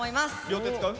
両手使う？